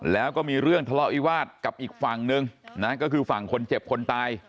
แล้วก็มีเรื่องทะเลาะวิวาสกับอีกฝั่งนึงนะก็คือฝั่งคนเจ็บคนตาย